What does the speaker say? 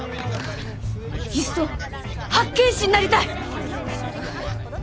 いっそ八犬士になりたい！